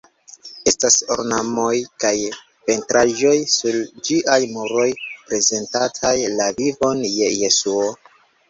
Estas ornamoj kaj pentraĵoj sur ĝiaj muroj prezentantaj la vivon de Jesuo.